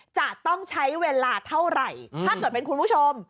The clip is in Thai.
จะต้องใช้เวลาเท่าไหร่ถ้าเกิดเป็นคุณผู้ชม